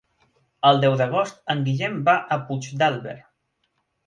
El deu d'agost en Guillem va a Puigdàlber.